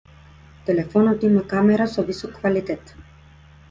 Телефонот има камера со висок квалитет.